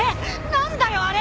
何だよあれ！